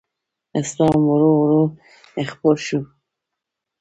اسلام ورو ورو خپور شو